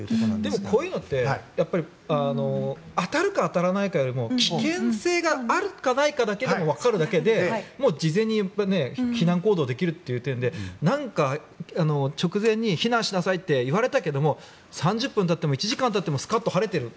でも、こういうのって当たるか、当たらないかよりも危険性があるか、ないかだけでも分かるだけで事前に避難行動できるという点で何か直前に避難しなさいって言われたけれども３０分経っても１時間経ってもスカッと晴れてる。